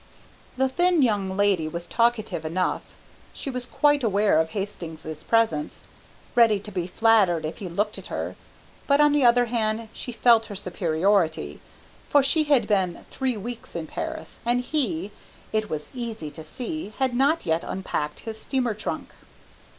The thin young lady was talkative enough. She was quite aware of Hastings' presence, ready to be flattered if he looked at her, but on the other hand she felt her superiority, for she had been three weeks in Paris and he, it was easy to see, had not yet unpacked his steamer trunk.